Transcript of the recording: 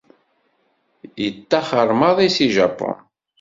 Yeṭṭaxer maḍi seg Japun.